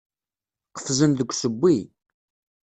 Qefzen deg usewwi.